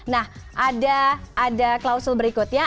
nah ada klausul berikutnya